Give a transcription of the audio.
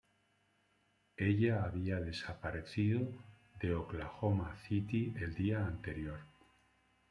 Ella había desaparecido de Oklahoma City el día anterior.